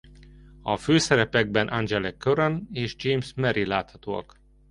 A főszerepekben Angela Curran és James Merry láthatóak.